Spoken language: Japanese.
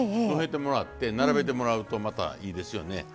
埋めてもらって並べてもらうとまたいいですよね。